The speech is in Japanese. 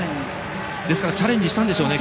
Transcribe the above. チャレンジしたんでしょうね。